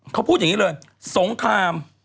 เขาพูดอย่างนี้เลยสงคราม